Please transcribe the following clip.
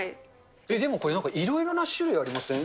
でもこれ、なんかいろいろな種類ありません？